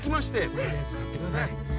これ使ってください。